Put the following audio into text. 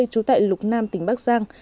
trú tại lục nam tỉnh bắc giang